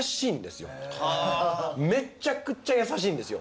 めちゃくちゃ優しいんですよ。